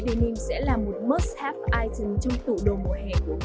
denim sẽ là một must have item trong tủ đồ mùa hè của những